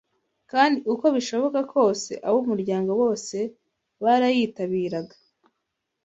kandi uko bishoboka kose, ab’umuryango bose barayitabiraga